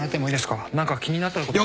何か気になったこと。